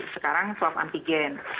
sekarang swab antigen